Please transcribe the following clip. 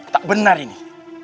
tak benar ini